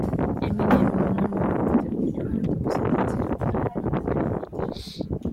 Eminem ni umwe mu bakunze uburyo arapa gusa ntiyizera ko iyo mpano ari iye